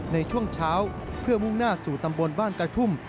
ในช่วงเช้าเพื่อมุ่งหน้าสู่ตำบลบ้านกระทุ่ม